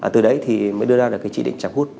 từ đấy thì mới đưa ra được cái chỉ định trắng hút